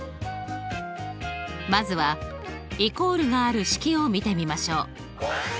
まずはイコールがある式を見てみましょう。